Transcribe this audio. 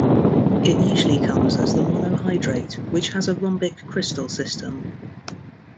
It usually comes as the monohydrate, which has a rhombic crystal system.